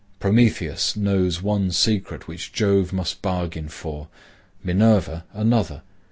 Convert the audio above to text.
Prometheus knows one secret which Jove must bargain for; Minerva, another.